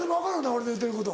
俺の言うてること。